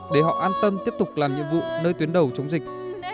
để họ an tâm tiếp tục làm nhiệm vụ nơi tuyến đầu chống dịch